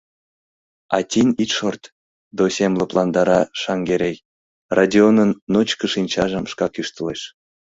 — А тинь ит шорт, досем, — лыпландара Шаҥгерей, Родионын ночко шинчажым шкак ӱштылеш.